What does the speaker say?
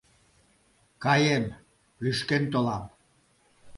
Каем, лӱшкен толам!..